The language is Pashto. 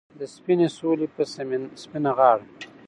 د سپینې سولې په سپینه غاړه